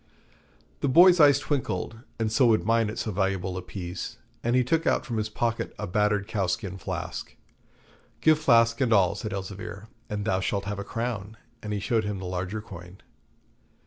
The boy's eyes twinkled, and so would mine at so valuable a piece, and he took out from his pocket a battered cowskin flask. 'Give flask and all,' said Elzevir, 'and thou shalt have a crown,' and he showed him the larger coin.